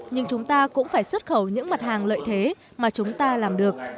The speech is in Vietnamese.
nhưng chúng ta cũng phải xuất khẩu những mặt hàng lợi thế mà chúng ta làm được